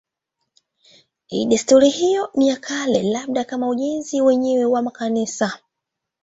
Desturi hiyo ni ya kale, labda kama ujenzi wenyewe wa makanisa.